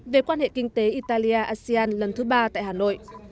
về quan hệ kinh tế italia asean lần thứ ba tại hà nội